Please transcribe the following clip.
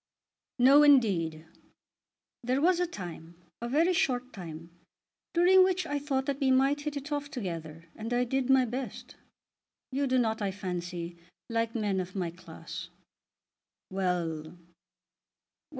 "No, indeed." "There was a time, a very short time, during which I thought that we might hit it off together, and I did my best. You do not, I fancy, like men of my class." "Well; well!